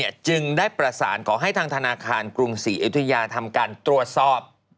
จึงได้ประสานขอให้ทางธนาคารกรุงศรีอยุธยาทำการตรวจสอบ